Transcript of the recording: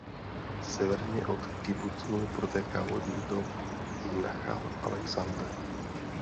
Severně od kibucu protéká vodní tok Nachal Alexander.